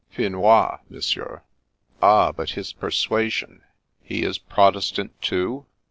" Finois, Monsieur." "Ah, but his persuasion? He is Protestant, too?